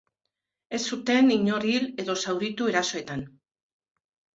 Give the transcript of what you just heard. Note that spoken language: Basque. Ez zuten inor hil edo zauritu erasoetan.